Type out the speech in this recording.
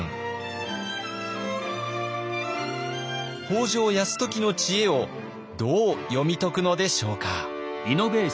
北条泰時の知恵をどう読み解くのでしょうか。